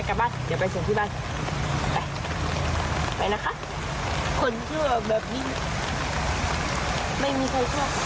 ใช่เปอร์นั่งตากฝนเป็นไงคะ